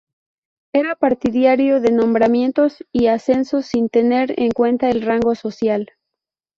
Era partidario de nombramientos y ascensos sin tener en cuenta el rango social.